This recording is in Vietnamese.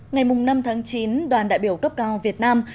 ngày năm tháng chín đoàn đại biểu cấp cao việt nam